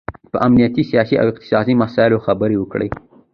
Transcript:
په امنیتي، سیاسي او اقتصادي مسایلو خبرې وکړي